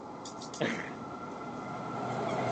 Stavby jsou seřazeny zhruba od nejvyššího bodu po nejnižší.